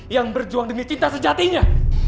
yang berjuang demi cinta sejatinya